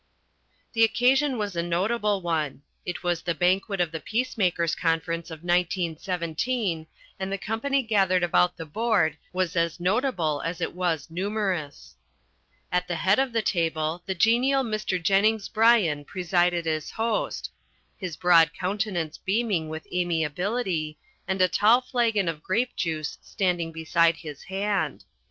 The occasion was a notable one. It was the banquet of the Peacemakers' Conference of 1917 and the company gathered about the board was as notable as it was numerous. At the head of the table the genial Mr. Jennings Bryan presided as host, his broad countenance beaming with amiability, and a tall flagon of grape juice standing beside his hand.